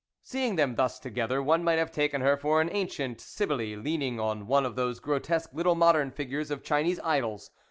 Seeing them thus together, one might have taken her for an ancient Cybele leaning on one of those grotesque little modern figures of Chinese idols.